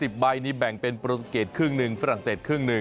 ใบนี้แบ่งเป็นโปรตูเกตครึ่งหนึ่งฝรั่งเศสครึ่งหนึ่ง